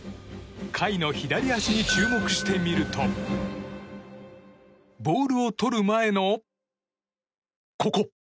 甲斐の左足に注目してみるとボールをとる前の、ここ。